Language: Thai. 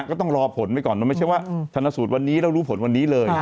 ก็ต้องรอผลไปก่อนมันไม่ใช่ว่าชนะสูตรวันนี้แล้วรู้ผลวันนี้เลย